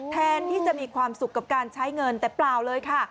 แทนที่จะมีความสุขกับการใช้เงินแต่เปล่าเลยค่ะ